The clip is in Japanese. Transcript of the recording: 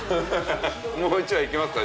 もう１羽いきますか？